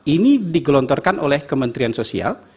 ini digelontorkan oleh kementerian sosial